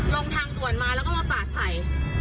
ลงทางด่วนมาแล้วก็มาปาดใส่